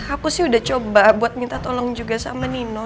aku sih udah coba buat minta tolong juga sama nino